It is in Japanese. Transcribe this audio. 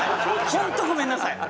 ホントごめんなさい！